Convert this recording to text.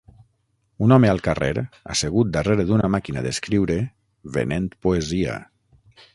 Un home al carrer, assegut darrere d'una màquina d'escriure, venent poesia